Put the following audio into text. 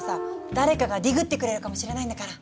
誰かがディグってくれるかもしれないんだから。